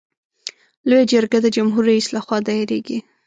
لویه جرګه د جمهور رئیس له خوا دایریږي.